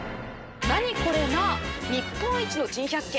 ナニコレな日本一の珍百景。